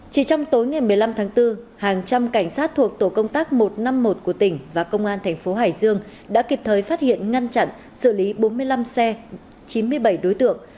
chỉ trong tối ngày một mươi năm tháng bốn hàng trăm cảnh sát thuộc tổ công tác một trăm năm mươi một của tỉnh và công an thành phố hải dương đã kịp thời phát hiện ngăn chặn xử lý bốn mươi năm xe chín mươi bảy đối tượng